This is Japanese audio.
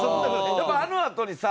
あのあとにさ